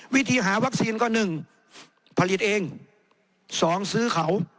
วิธีหาวัคซีนก็หนึ่งผลิตเองสองซื้อเขา